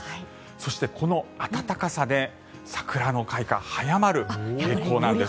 そして、この暖かさで桜の開花、早まる傾向なんです。